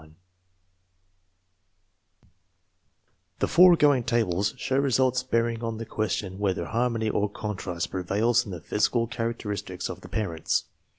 29 The foregoing tables show results bearing on the question whether harmony or contrast pre vails in the physical characteristics of the parents.